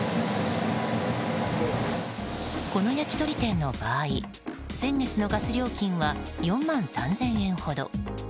この焼き鳥店の場合先月のガス料金は４万３０００円ほど。